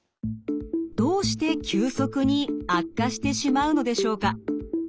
どうして急速に悪化してしまうのでしょうか。